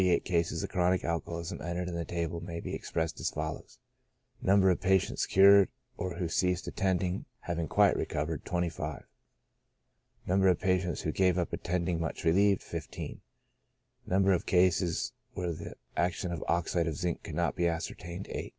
11J eight cases of chronic alcoholism entered in the table may be expressed as follows : Number of patients cured, or who ceased attending, having quite recovered, 25 ; number of patients who gave up attending, much relieved, 15 ; num ber of cases where the action of oxide of zinc could not be ascertained, 8.